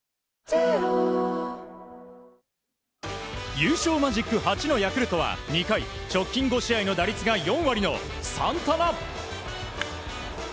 優勝マジック８のヤクルトは２回直近５試合の打率が４割のサンタナ。